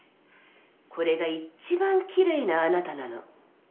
これが一番きれいなあなたなの。